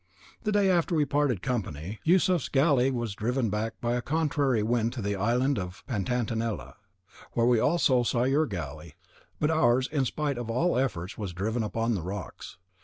The day after we parted company, Yusuf's galley was driven back by a contrary wind to the island of Pantanalea, where we also saw your galley, but ours, in spite of all efforts, was driven upon the rocks.